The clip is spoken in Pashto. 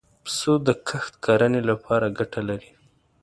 پسه د کښت کرنې له پاره ګټه لري.